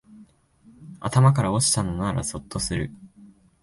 頭から落ちたのならゾッとする